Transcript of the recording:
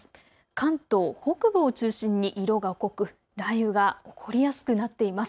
関東北部を中心に色が濃く雷雨が起こりやすくなっています。